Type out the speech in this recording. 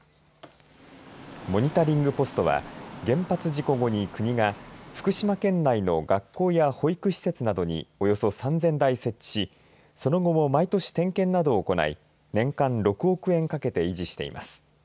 モリタリングポストは原発事故後に国が福島県内の学校や保育施設などにおよそ３０００台設置しその後も毎年点検などを行い年間６億円かけて維持しています。